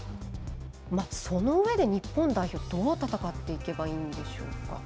そのうえで日本代表どう戦っていけばいいんでしょうか？